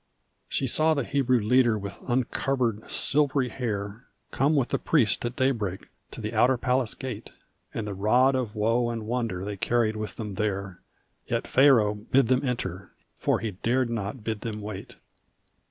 She saw the Hebrew leader with uncovered silvery hair Come with the priest at daybreak to the outer palace gate, And the rod of woe and wonder they carried with them there, Yet Pharaoh bid them enter for he dared not bid them wait.